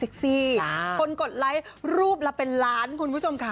คนกดไลค์รูปละเป็นล้านคุณผู้ชมค่ะ